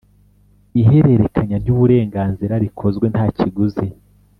Ihererekanya ry uburenganzira rikozwe nta kiguzi